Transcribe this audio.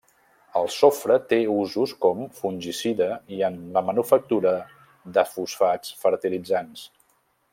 El sofre té usos com fungicida i en la manufactura de fosfats fertilitzants.